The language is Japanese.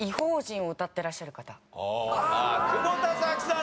久保田早紀さん